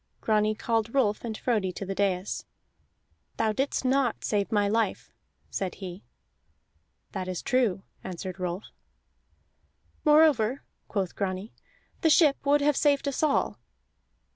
Grani called Rolf and Frodi to the dais. "Thou didst not save my life," said he. "That is true," answered Rolf. "Moreover," quoth Grani, "the ship would have saved us all."